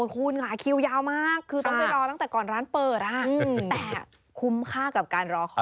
คุณค่ะคิวยาวมากคือต้องไปรอตั้งแต่ก่อนร้านเปิดแต่คุ้มค่ากับการรอคอย